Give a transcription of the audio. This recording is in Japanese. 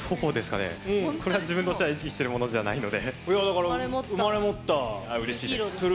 これは自分としては意識しているものではないので。